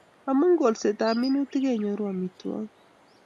Amu kolset ab minutik kenyoru amitwog'ik